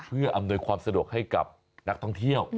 เพื่ออำนวยความสะดวกให้กับนักท่องเที่ยว